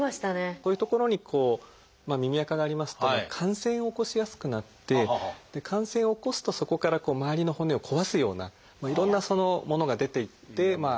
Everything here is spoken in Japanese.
こういう所にこう耳あかがありますと感染を起こしやすくなって感染を起こすとそこから周りの骨を壊すようないろんなものが出て行って怖いんです。